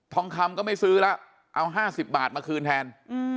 ทองคำก็ไม่ซื้อแล้วเอา๕๐บาทมาคืนแทน